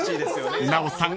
［奈緒さん